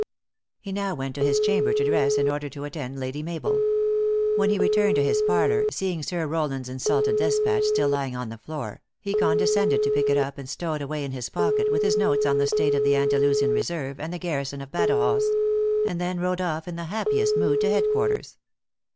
He now went to his chamber to dress in order to attend Lady Mabel. When he returned to his parlor, seeing Sir Rowland s insulted despatch still lying on the floor, he condescended to pick it up and stow it away in his pocket with his notes on the state of the Andalusian reserve and the garrison of Badajoz, and then rode oif in the happiest mood to head quarters.